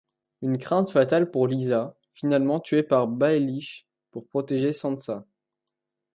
Une crainte fatale pour Lysa, finalement tuée par Baelish pour protéger Sansa.